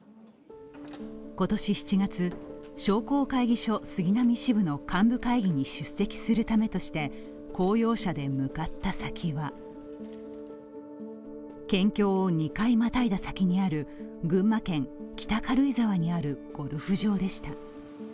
今年７月、商工会議所杉並支部の幹部会議に出席するためとして、公用車で向かった先は県境を２回またいだ先にある、群馬県北軽井沢にあるゴルフ場でした。